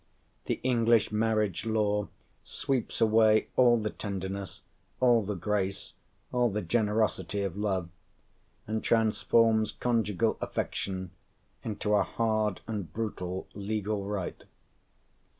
The English marriage law sweeps away all the tenderness, all the grace, all the generosity of love, and transforms conjugal affection into a hard and brutal legal right.